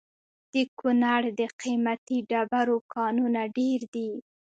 د کونړ د قیمتي ډبرو کانونه ډیر دي.